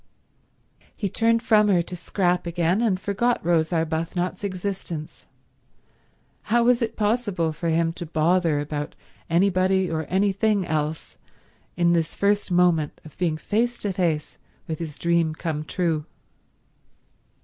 He turned from her to Scrap again, and forgot Rose Arbuthnot's existence. How was it possible for him to bother about anybody or anything else in this first moment of being face to face with his dream come true?